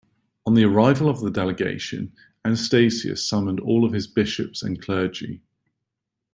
On the arrival of the delegation, Anastasius summoned all of his bishops and clergy.